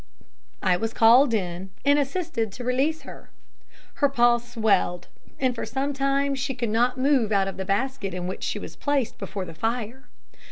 I was called in, and assisted to release her. Her paw swelled, and for some time she could not move out of the basket in which she was placed before the fire.